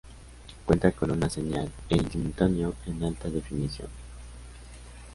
Cuenta con una señal en simultáneo en alta definición.